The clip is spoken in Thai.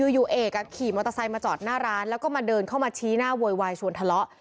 อยู่เอกขี่มอเตอร์ไซค์มาจอดหน้าร้านแล้วก็มาเดินเข้ามาชี้หน้าโวยวายชวนทะเลาะ